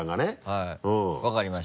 はい分かりました。